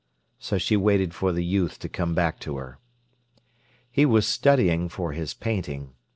So she waited for the youth to come back to her. He was studying for his painting.